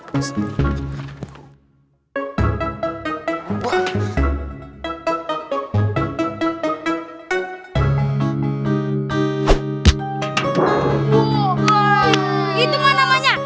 itu mah namanya